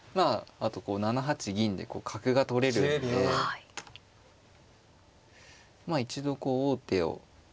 あと７八銀で角が取れるんでまあ一度こう王手を。